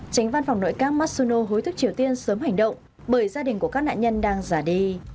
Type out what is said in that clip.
tránh văn phòng nội các marsono hối thúc triều tiên sớm hành động bởi gia đình của các nạn nhân đang giả đi